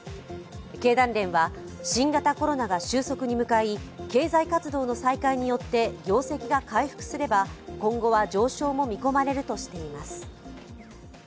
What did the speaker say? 経団連は、新型コロナが収束に向かい経済活動の再開によって業績が回復すれば今後は上昇も見込まれるとしています。